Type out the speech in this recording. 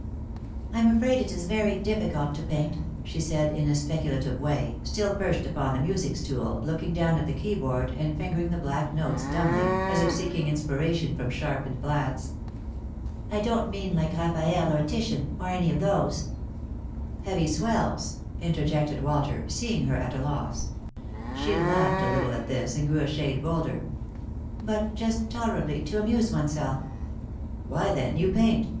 I'm afraid it is very difficult to paint," she said, in a specu lative way, still perched upon the music stool, looking down at the keyboard and fingering the black notes dumbly, as if seeking inspiration from sharp and flats. " I don't mean like Raffaelle, or Titian, or any of tbose "" Heavy swells," interjected Walter, seeing her at a loss. She laughed a little at this, and grew a shade bolder. " But just tolerably, to amuse oneself." "Why, then, you paint